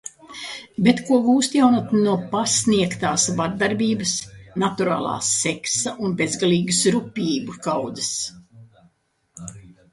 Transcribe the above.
Bet ko gūst jaunatne no pasniegtās vardarbības, naturālā seksa un bezgalīgas rupjību kaudzes?